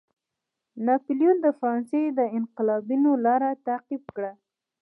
ناپلیون د فرانسې د انقلابینو لار تعقیب کړه.